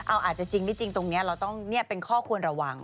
เอาอาจจะจริงไม่จริงตรงนี้เราต้องเป็นข้อควรระวัง